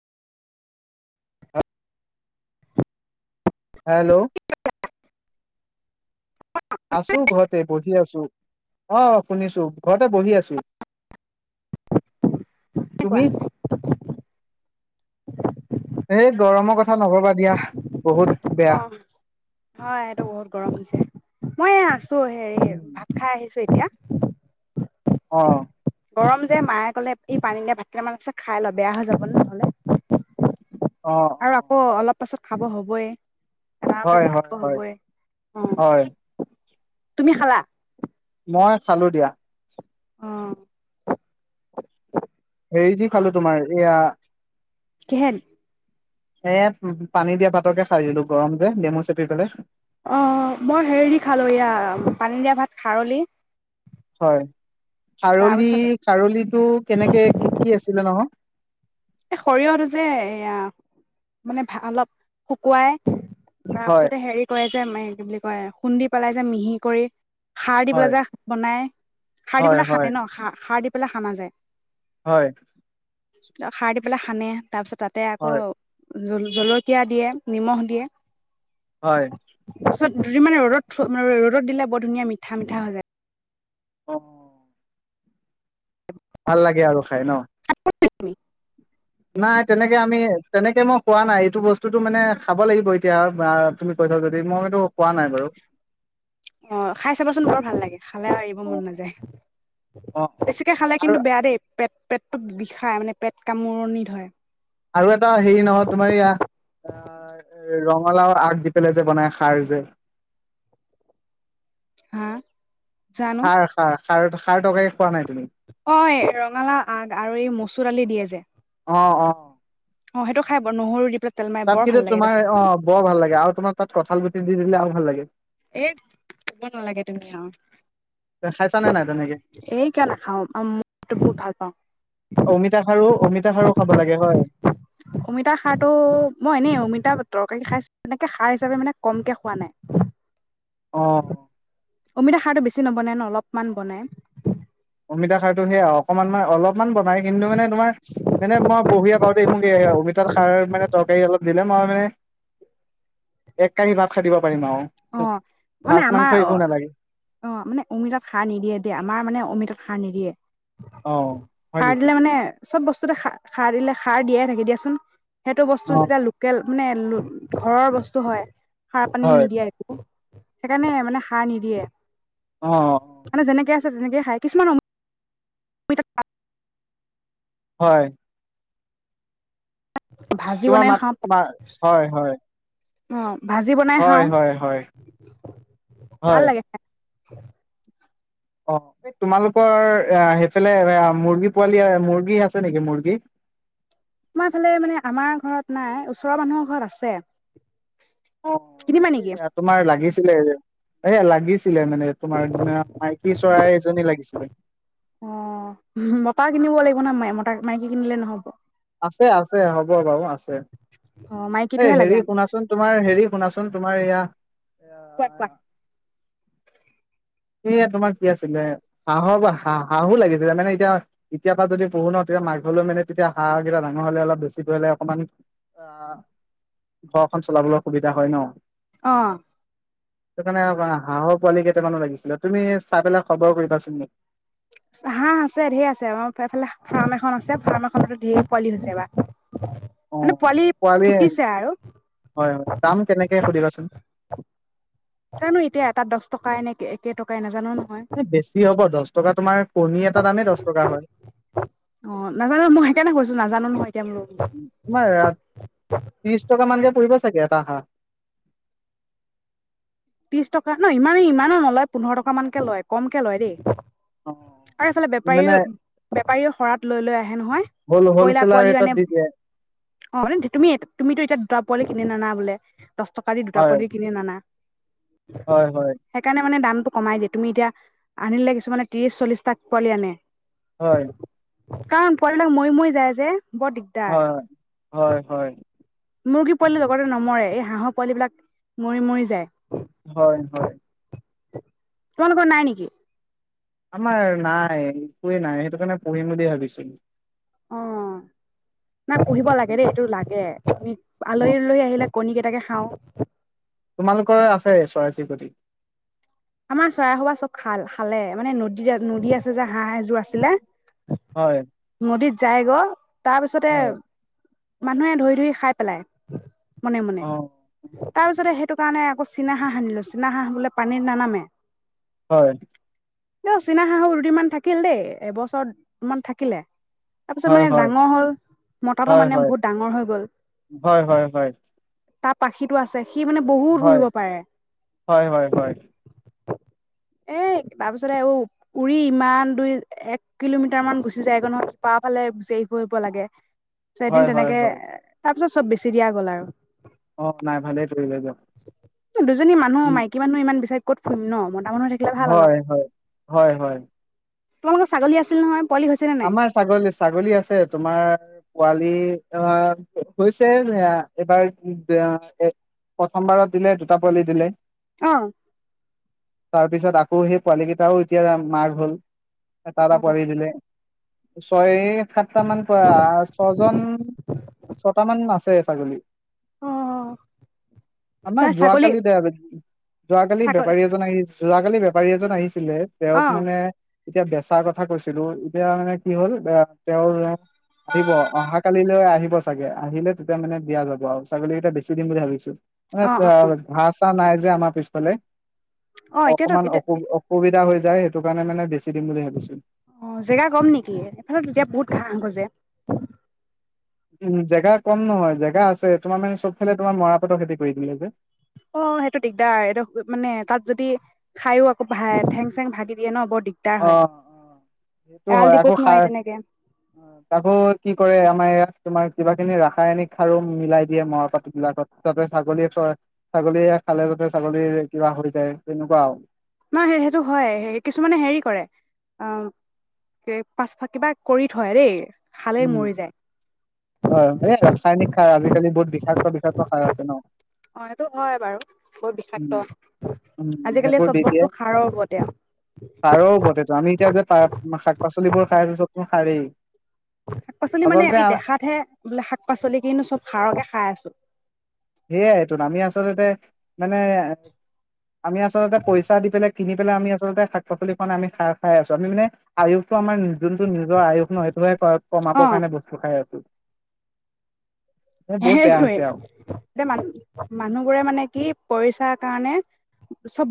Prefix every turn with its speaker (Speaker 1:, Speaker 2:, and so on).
Speaker 1: হাহ হেল্ল' আছু ঘৰতে। বহি আছো অ শুনিছো ঘৰতে বহি আছো
Speaker 2: থিকেই
Speaker 1: তুমি
Speaker 2: আছো
Speaker 1: এই গৰমৰ কথা নকবা দিয়া বহুত
Speaker 2: অ
Speaker 1: বেয়া
Speaker 2: হয় এইটো বহুত গৰম হৈছে মই এ আছো সে
Speaker 1: উম,
Speaker 2: ভাত খাই আছোঁ চৌ এতিয়া
Speaker 1: অ
Speaker 2: গৰম যে মায়ে কলে ই পানী দা ভাতকেইটামান আছে খাই ল বেয়া হৈ যাব ন নহলে
Speaker 1: অ অ
Speaker 2: আৰু আকৌ অলপ তাৰ পাছত খাব হ'বই এটামান বাজি
Speaker 1: হয়
Speaker 2: খাব
Speaker 1: হয় হয়
Speaker 2: হ'বই অ
Speaker 1: হয়
Speaker 2: তুমি খালা
Speaker 1: মই খালো দিয়া।
Speaker 2: আহ
Speaker 1: হেৰি যি খালো তোমাৰ এয়া।
Speaker 2: কেহেন
Speaker 1: স পানী দিয়া ভাতকে খাই দিলো গৰম যে নেমু চেপি পেলাই।
Speaker 2: অ মই হেৰি দি খালো এয়া পানী দিয়া ভাত খাৰলি
Speaker 1: হয় খাৰলি
Speaker 2: তাৰপিছত
Speaker 1: খাৰলিটো কেনেকে কি কি আছিলে নহয়।
Speaker 2: এ সৰিয়হটো যে এয়া মানে অলপ শুকুৱাই
Speaker 1: হয়
Speaker 2: তাৰপিছতে হেৰি কৰি আছে যে ম কি বুলি কয় খুন্দি পেলাই যে মিহি কৰি সাৰ দিবলৈ
Speaker 1: হয়
Speaker 2: যায় বনাই সাৰ
Speaker 1: হয়
Speaker 2: দিবলৈ
Speaker 1: হয়
Speaker 2: খানে ন সাৰ পেলাই সানা যায়।
Speaker 1: হয়
Speaker 2: সাৰ দি পেলাই সানে তাৰপিছত তাতে আকৌ
Speaker 1: হয়
Speaker 2: জলকীয়া দিয়ে নিমখ দিয়ে।
Speaker 1: হয়।
Speaker 2: তাৰপিছত দুদিন মানে'দত থ ৰ'দত দিলে বৰ ধুন মঠা মিঠা হৈ যায়
Speaker 1: অ ভাল লাগে আৰু খাই ন।
Speaker 2: টি
Speaker 1: নাই তেনেকে আমি তেনেকে মই খোৱা নাই এইটো বস্তুতটো মানে খাব লাগিব এতিয়া তুমি কৈছা যদি মই সটো খোৱা নাই বাৰু
Speaker 2: অ খাই চাবাচোন বৰ ভাল লাগে খালেও এৰিব মন
Speaker 1: অ',
Speaker 2: নাযায়
Speaker 1: অ', অ'।
Speaker 2: বেছিকে খালে
Speaker 1: আৰু
Speaker 2: কিন্তু বেয়া দেই পেট পেটটো বিষাই মানে পেট কামোৰণি ধৰে
Speaker 1: আৰু এটা হেৰি নহয় তোমাৰ ইয়া অ ৰঙালাওৰ আগ দি পেলাই যে বনাই খাৰ যে
Speaker 2: হা জানো
Speaker 1: সাৰ সাৰ সাৰ সাৰ টৰকাৰি
Speaker 2: অ ৰঙালাও আগ আৰু এই মচুৰ আলি দিয়ে যে
Speaker 1: অ', অ'।
Speaker 2: অ সেইটো খাই ব নহৰু দি পেলাই তেল মাৰি
Speaker 1: তাত
Speaker 2: বৰ
Speaker 1: কিন্ত
Speaker 2: ভাল লাগে সেইটো
Speaker 1: তোমাৰ
Speaker 2: খাই
Speaker 1: অ বৰ ভাল লাগে আৰু তোমাৰ তাত কঠাল পিন্দি দিলে আৰু ভাল লাগে
Speaker 2: এ কুব নালাগে তুমি আহ
Speaker 1: খাইছানে নাই তেনেকে?
Speaker 2: এই কিয় নাখাও মটো বহুত ভাল পাওঁ
Speaker 1: অমিতা খাৰু অমিতা খাৰু খাব লাগে হয়
Speaker 2: অমিতা খাৰটো মই এনেই অমিতা বত খাই এনেকে খাৰ হিচাপে মানে কমকে খোৱা নাই
Speaker 1: অ'।
Speaker 2: অমিতা সাৰটো বেছি নবনায় ন অলপমান বনায়
Speaker 1: অমিতা খাৰটো সেয়া অকণমান ম অলপমান বনাই কিন্তু মানে তোমাৰ মানে মই বহিয় আ কৰতে মোক অমিতাৰ খাৰ মানে তৰকাৰী অলপ দিলে মই মানে এক কহি ভাত খাটিব
Speaker 2: অ মানে আমাৰ অ
Speaker 1: একো নালাগে
Speaker 2: অ মানে অমিতত সাৰ নিদিয়ে দে আমাৰ মানে অমিত ম নডিয়ে
Speaker 1: অ হয়
Speaker 2: সাৰ
Speaker 1: নেকি
Speaker 2: দিলে মানে চব বস্তুতে খাৰ সাৰ দিলে সাৰ দিয়াই থাকে দিয়াচোন সেইটো বস্তু
Speaker 1: অ
Speaker 2: যেতিয়া লোকেল মানে ঘৰৰ বস্তু হয় সাৰ পানী
Speaker 1: হয়
Speaker 2: নিদিয়ে সেইকাৰণে মানে সাৰ নিদিয়ে
Speaker 1: অ
Speaker 2: মানে যেনেকে আ তেনেকে খাই কিছুমান
Speaker 1: হয়
Speaker 2: ভাজি
Speaker 1: তোমাৰ
Speaker 2: বনাইও
Speaker 1: মাত
Speaker 2: খাওঁ
Speaker 1: মা হয় হয়
Speaker 2: অ ভাজি বনাই
Speaker 1: হয়
Speaker 2: খাওঁ
Speaker 1: হয় হয় হয় হয় হয়
Speaker 2: হয়
Speaker 1: অ এই তোমালোকৰ এ সেইফালে মুৰ্গী পোৱালি মুৰ্গী আছে নেকি মুৰ্গী
Speaker 2: তোমাৰ ফালে মানে আমাৰ ঘৰত নাই ওচৰৰ মানুহৰ ঘৰত আছে
Speaker 1: অ
Speaker 2: কিনিবা নেকি
Speaker 1: এইয়া তোমাৰ লাগিছে ছিলে এয়া লাগিছিল ছিলে মানে তোমাৰ মাইকী চৰাই এজনী লাগিছিলে
Speaker 2: অ', মতা কিনিব লাগিব ন মতা মাইকি কিনিলে নহ'ব
Speaker 1: আছে আছে হ'ব বাৰু আছে
Speaker 2: অ
Speaker 1: এই
Speaker 2: মাইকীটোহে লাগে
Speaker 1: হেৰি
Speaker 2: আৰু
Speaker 1: শুনাচোন তোমাৰ হেৰি শুনাচোন তোমাৰ এয়া
Speaker 2: কোৱা কোৱা
Speaker 1: এ তোমাৰ কি আছিলে হাঁহৰ পৰা হা হাঁহো লাগিছিলে মানে এতিয়া এতিয়াৰ পৰা যদি পোহো ন তেতিয়া মাঘলৈ মানে তেতিয়া হাঁহ কেইটা ডাঙৰ হলে অলপ বেছি ধৰিলে অকমান আহ ঘৰখন চলাবলৈ সুবিধা হয় ন
Speaker 2: অ
Speaker 1: সেইকাৰণে অ হাঁহৰ পোৱালি কেইটামানো লাগি তুমি চাই পেলাই খবৰ কৰিবাচোন মোক
Speaker 2: হাঁহ আছে ঢেৰ আছে আমাৰ ফালে ফাৰ্ম এখন আছে ফাৰ্মাখনতো ঢেৰ পোৱালি হৈছে বা
Speaker 1: অ এই পোৱালি হয়
Speaker 2: আৰু
Speaker 1: হয় দাম কেনেকে সুধিবাচোন
Speaker 2: নাজানো এতিয়া এটাত দহ টকাই নে কেই টকাই নাজানো ন
Speaker 1: বেছি হব দহ টকা তোমাৰ কণী এটা দামেই দহ টকা হয়।
Speaker 2: অ নাজানো মই সেইকাৰণে কৈছো নাজানো নহয় এতিয়া বোলো
Speaker 1: তোমাৰ ত্ৰিশ টকা মানকে পৰিব [unintelligible] হাঁহ
Speaker 2: ত্ৰিশ টকা ন? ইমান-ইমানো নলয়। পোন্ধৰ টকা মানকে লয় কমকে লয় দেই।
Speaker 1: অ
Speaker 2: আৰু এইফালে
Speaker 1: মানে
Speaker 2: বেপাৰীও-বেপাৰীয়েও শৰাত লৈ-লৈ আহে নহয়,
Speaker 1: হল
Speaker 2: কয়লা
Speaker 1: হলচেলাৰ
Speaker 2: পোৱালিও
Speaker 1: ৰেটত
Speaker 2: আনে,
Speaker 1: দি দিয়ে
Speaker 2: অ মানে তুমি-তুমিতো এতিয়া দুটা পোৱালি কিনি নানা বোলে দহ টকা দি দুটা
Speaker 1: হয়
Speaker 2: পোৱলি কিনি আনানা।
Speaker 1: হয় হয়
Speaker 2: সেইকাৰণে মানে দাম টো কমাই দিয়ে তুমি এতিয়া, আনিলে কিছুমানে ত্ৰিশ চল্লিশটা পোৱালি আনে।
Speaker 1: হয়
Speaker 2: কাৰণ পোৱালিবিলাক মৰি-মৰি যায় যে, বৰ দিগদাৰ
Speaker 1: হয়-হয়-হয়
Speaker 2: মুৰ্গী পোৱালি লগতে নমৰে, এই হাঁহৰ পোৱালিবিলাক মৰি-মৰি যায়।
Speaker 1: হয় হয়
Speaker 2: তোমালোকৰ নাই নেকি?
Speaker 1: আমাৰ নাই, একোৱে নাই সেইটো কাৰণে পোহিম বুলি ভাবিছো
Speaker 2: অ, নাই পোহিব লাগে দেই এইটো লাগে। [unintelligible]
Speaker 1: অ
Speaker 2: আলহী উলহী আহিলে কণীকেইটাকে খাওঁ
Speaker 1: তোমালোকৰ আছে, চৰাই-চিৰিকটি?
Speaker 2: আমাৰ চৰাইসবা চব খাল-খালে মানে নদী-নদী আছে যে হাঁহ এযোৰ আছিলে,
Speaker 1: হয়
Speaker 2: যায়গৈ তাৰপিছতে
Speaker 1: হয়
Speaker 2: মানুহে ধৰি-ধৰি খাই পেলাই। মনে-মনে,
Speaker 1: অ
Speaker 2: তাৰপিছতে সেইটো কাৰণে আকৌ চীনা হাঁ হ আনিলো, চীনা হাঁহ বোলে পানীৰ নানামে
Speaker 1: হয়
Speaker 2: চীনা শাহু ৰুটিমান থাকিল দেই, এবছৰ মমান থাকিলে। তাৰপিছত মানে ডাঙৰ হ'ল, মতাটো মানে বহুত ডাঙৰ হৈ গ'ল
Speaker 1: হয়-হয়-হয়
Speaker 2: তাৰ পাখিতো আছে সি মানে বহুত উৰিব পাৰে।
Speaker 1: হয় হয় হয়
Speaker 2: এ তাৰপিছতে আৰু, উৰি ইমান দুই এক কিলোমিটাৰ মান গুচি যায়গৈ নহয়, [unintelligible] পা ফালে বিচাৰি ফুৰিব লাগে। তাৰপিছত এদিন
Speaker 1: হয়-হয়-হয়
Speaker 2: তেনেকে চব বেছি দিয়া গ'ল আৰু।
Speaker 1: অ নাই ভালেই তৰিলে দিয়ক।
Speaker 2: দুজনী মানুহ,
Speaker 1: উম
Speaker 2: মাইকী মানুহ ইমান বিচাৰ ক'ত ফুম ন ম
Speaker 1: হয় হয় হয় হয়
Speaker 2: তোমালোকৰ ছাগলী আছিল নহয় পোৱালি হৈছে নে নাই?
Speaker 1: আমাৰ ছাগলী ছাগলী আছে তোমাৰ পোৱালি আহ হৈছে এইবাৰ প্ৰথমবাৰত দিলে দুটা পোৱলি দিলে
Speaker 2: অ
Speaker 1: তাৰ পিছত আকৌ সেই পোৱালী কেইটাও এতিয়া মাৰঘ হ'ল তাৰা প দিলে ছয় সাতটা মান পোৱা ছয়জন ছয়ট মান আছে ছাগলী
Speaker 2: অ',
Speaker 1: আমাৰ
Speaker 2: তাৰ ছাগলী
Speaker 1: যোৱাকালি দে যোৱাকালি
Speaker 2: ছাগলী
Speaker 1: বেপাৰী এজন আহি যোৱাকালি বেপাৰী এজন আহিছে ছিলে তেওঁক
Speaker 2: অ',
Speaker 1: মানে এতিয়া বেচাৰ কথা কৈছিলো তেতিয়া মানে কি হল তেওঁৰ আহিব অহা কালিলৈ আহিব চাগে আহিলে তেতিয়া মানে দিয়া য়া যাব আৰু ছাগলী কেইটা বেছি দিম বুলি ভাবিছো মানে
Speaker 2: অ', অ',
Speaker 1: ঘা চা নাই আমাৰ পিছফালে
Speaker 2: অ',
Speaker 1: অকন
Speaker 2: এতিয়াতো
Speaker 1: মান
Speaker 2: এতিয়া
Speaker 1: অসু অসুবিধা হৈছে যায় সেইটো কাৰণে মে বেছি দিম বুলি ভাবিছো
Speaker 2: অ', জেগা কম নেকি এফালে তেতিয়া বহুত ঘাহ গজে
Speaker 1: উম জেগা কম নহয় জেগা আছে তোমাৰ মানে চবফালে তোমাৰ মৰাপাটৰ খেতি কৰি দিলে যে
Speaker 2: অ সেইটো দিগদাৰ এইটো মানে তাত যদি খায়ো আকৌ ভা ঠেং চেং ভাগি দিয়ে ন বৰ দিগদাৰ
Speaker 1: অ অ
Speaker 2: হয়
Speaker 1: সেইটো
Speaker 2: এৰাল
Speaker 1: হয়
Speaker 2: দিবও
Speaker 1: আকৌ
Speaker 2: নোৱাৰি
Speaker 1: সাৰ
Speaker 2: তেনেকে
Speaker 1: অ আকৌ কি কৰে আমাৰ ইয়াত। তোমাৰ কিবা কিবি ৰাসায়নিক সাৰো মিলাই দিয়ে মৰাপাট বিলাকত যাতে ছাগলীয়ে ছাগলীয়ে খালে যাতে ছাগলী কিবা হৈ যায় তেনেকুৱা।
Speaker 2: নহ সেই সেইটো হয় সে কিছুমানে হেৰি কৰে অ পাচফ কিবা কৰি থয় দেই খালেই
Speaker 1: উম
Speaker 2: মৰি যায়
Speaker 1: হয় এই ৰাসায়নিক খাই আজিকালি বহুত বিষাক্ত বিষাক্ত খাই আছে ন
Speaker 2: অ সেইটো হয় বাৰু বৰ
Speaker 1: উম
Speaker 2: বিষাক্ত
Speaker 1: উম
Speaker 2: আজিকালি
Speaker 1: সেইবোৰ দি
Speaker 2: চব
Speaker 1: দিয়ে
Speaker 2: বস্তু সাৰৰ হব তে
Speaker 1: সাৰৰ ওপৰতেতো আমি অ সাৰেই
Speaker 2: শাক পাচলি মানে
Speaker 1: আচলতে
Speaker 2: আমি দেখাতহে বোলে শাক পাচলি কিন্তু চব সাৰকে খাই আছো
Speaker 1: সেইয়াই এইটো আমি আচলতে মানে আমি আচলতে পইচা দি পেলাই কিনি পেলাই আমি আচলতে শাক পাচলি খোৱা নাই আমি খাৰ খাই আছো আমি মানে আয়ুসটো আমাৰ যোনতটো নিজৰ আয়ুস নয় সেইটোহে।
Speaker 2: অ
Speaker 1: কমাবৰ কাৰণে বস্তু খাই আছো। ন বহুত বেয়া হৈছে আৰু
Speaker 2: এয়া মান মানুহবোৰে মানে কি পইচাৰ কাৰণে চব